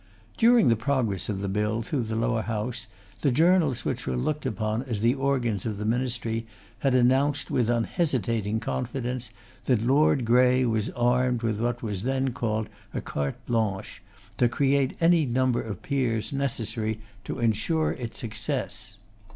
During the progress of the Bill through the Lower House, the journals which were looked upon as the organs of the ministry had announced with unhesitating confidence, that Lord Grey was armed with what was then called a 'carte blanche' to create any number of peers necessary to insure its success.